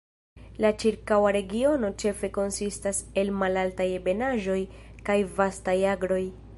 La ĉirkaŭa regiono ĉefe konsistas el malaltaj ebenaĵoj kaj vastaj agroj.